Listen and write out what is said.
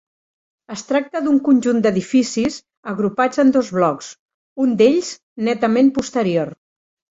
Es tracta d'un conjunt d'edificis agrupats en dos blocs, un d'ells netament posterior.